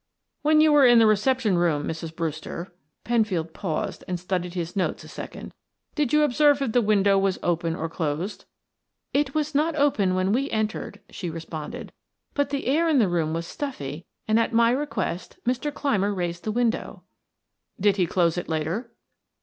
"When you were in the reception room, Mrs. Brewster" Penfield paused and studied his notes a second "did you observe if the window was open or closed?" "It was not open when we entered," she responded. "But the air in the room was stuffy and at my request Mr. Clymer raised the window." "Did he close it later?"